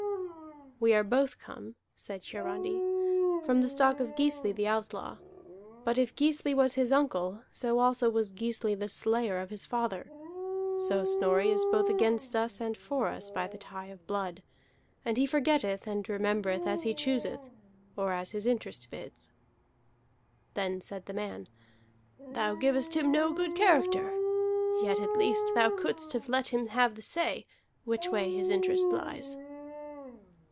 "We are both come," said Hiarandi, "from the stock of Gisli the Outlaw. But if Gisli was his uncle, so also was Gisli the slayer of his father. So Snorri is both against us and for us by the tie of blood; and he forgetteth and remembereth as he chooseth, or as his interest bids." Then said the man: "Thou givest him no good character. Yet at least thou couldst have let him have the say, which way his interest lies."